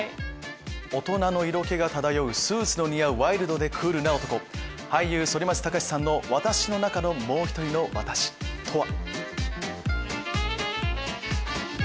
大人の色気が漂うスーツの似合うワイルドでクールな男俳優反町隆史さんの「私の中の、もうひとりのワタシ。」とは？